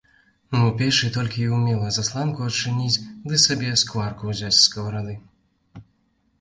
У печы толькі і ўмела засланку адчыніць ды сабе скварку ўзяць з скаварады.